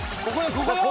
ここよ